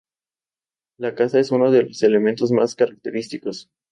La caza es uno de los elementos más característicos.